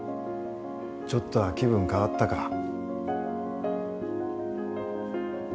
ちょっとは気分変わったか？